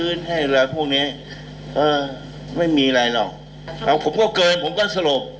เอ้าผมก็เกิดผมก็สลบ